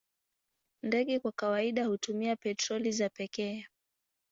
Ndege kwa kawaida hutumia petroli za pekee.